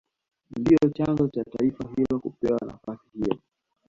Ndio chanzo cha taifa hilo kupewa nafasi hiyo